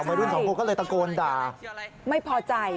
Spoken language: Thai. วัยรุ่นสองคนก็เลยตะโกนด่าไม่พอใจ